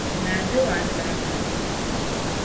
Naa Gbewaa ni daa kani n-naai.